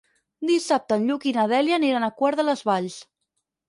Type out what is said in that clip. Dissabte en Lluc i na Dèlia aniran a Quart de les Valls.